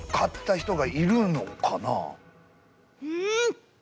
うん！